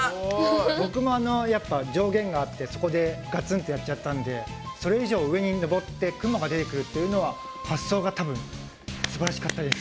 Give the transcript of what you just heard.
ボクもあのやっぱ上限があってそこでガツンとやっちゃったんでそれ以上上にのぼって雲が出てくるっていうのは発想がすばらしかったです！